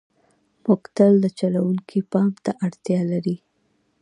موټر تل د چلوونکي پام ته اړتیا لري.